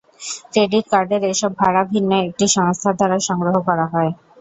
Credit কার্ডের এসব ভাড়া ভিন্ন একটি সংস্থার দ্বারা সংগ্রহ করা হয়।